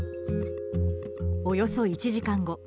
およそ１時間後。